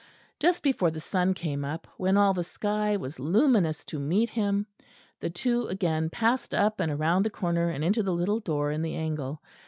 Just before the sun came up, when all the sky was luminous to meet him, the two again passed up and round the corner, and into the little door in the angle.